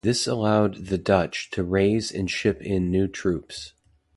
This allowed the Dutch to raise and ship in new troops.